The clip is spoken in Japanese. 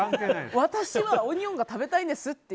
私はオニオンが食べたいんですって。